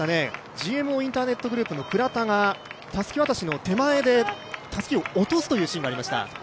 ＧＭＯインターネットグループの倉田がたすき渡しの手前で、たすきを落とすシーンがありました。